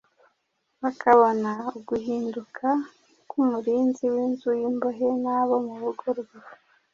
bakabona uguhinduka k’umurinzi w’inzu y’imbohe n’abo mu rugo rwe;